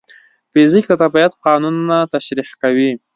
فزیک د طبیعت قانونونه تشریح کوي.